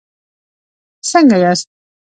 څنګه یاست؟